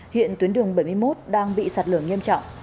hiện tuyến đường bảy mươi một đang bị sạt lở nghiêm trọng